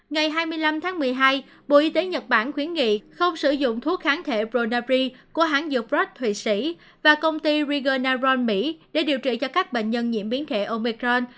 ngày hai mươi năm tháng một mươi hai bộ y tế nhật bản khuyến nghị không sử dụng thuốc kháng thể bronary của hãng dược roche thủy sĩ và công ty regeneron mỹ để điều trị cho các bệnh nhân nhiễm biến thể omicron